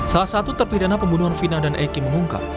salah satu terpidana pembunuhan vina dan eki mengungkap